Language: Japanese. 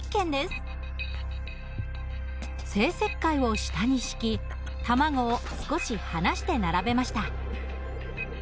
生石灰を下に敷き卵を少し離して並べました。